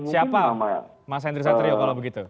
siapa mas henry satrio kalau begitu